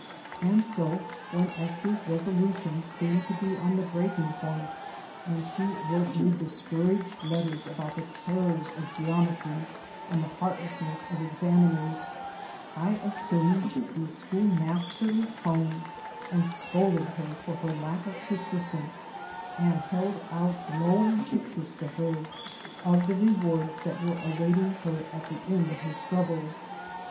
And so when Esther's resolution seemed to be on the breaking point and she wrote me discouraged letters about the terrors of geometry and the heartless ness of examiners I assumed the schoolmasterly tone and scolded her for her lack of persistence and held out glowing pictures to her of the rewards that were awaiting her at the end of her struggles.